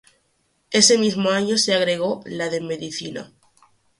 Ese mismo año se agregó la de Medicina.